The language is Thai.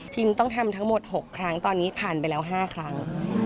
ต้องทำทั้งหมด๖ครั้งตอนนี้ผ่านไปแล้ว๕ครั้ง